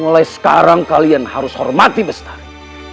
mulai sekarang kalian harus hormati bestari